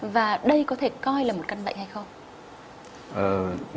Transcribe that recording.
và đây có thể coi là một căn bệnh hay không